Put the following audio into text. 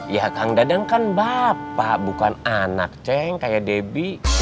ya kang dadang kan bapak bukan anak ceng kayak debbie